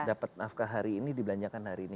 dapat nafkah hari ini dibelanjakan hari ini